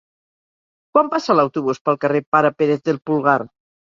Quan passa l'autobús pel carrer Pare Pérez del Pulgar?